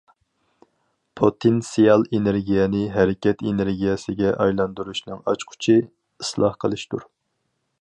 پوتېنسىيال ئېنېرگىيەنى ھەرىكەت ئېنېرگىيەسىگە ئايلاندۇرۇشنىڭ ئاچقۇچى ئىسلاھ قىلىشتۇر.